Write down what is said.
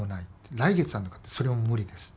来月あんのかってそれも無理ですって。